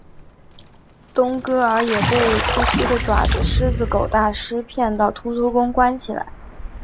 冬哥儿也被秃秃的爪牙狮子狗大狮骗到秃秃宫关起来。